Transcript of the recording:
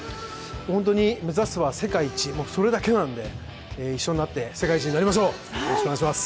本当に目指すは世界一、それだけなので一緒になって世界一になりましょう、よろしくお願いします！